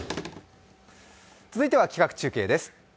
続いては企画中継です。